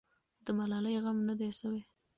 د ملالۍ غم نه دی سوی.